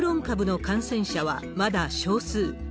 株の感染者はまだ少数。